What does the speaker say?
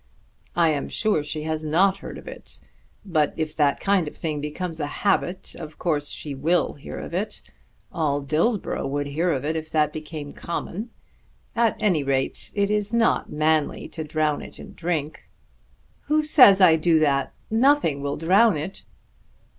"I am sure she has not heard of it. But if that kind of thing becomes a habit, of course she will hear of it. All Dillsborough would hear of it, if that became common. At any rate it is not manly to drown it in drink." "Who says I do that? Nothing will drown it."